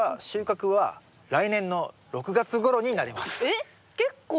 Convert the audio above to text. えっ結構。